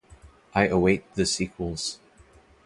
I await the sequels.